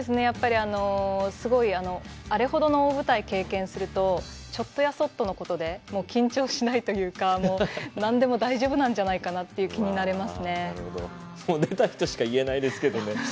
やっぱりすごいあれほどの大舞台を経験するとちょっとやそっとのことで緊張しないというか何でも大丈夫なんじゃないかな出た人しか言えないですけどね。